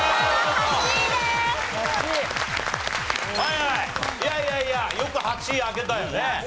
いやいやいやよく８位開けたよね。